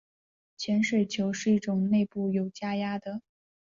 潜水球是一种内部有加压的。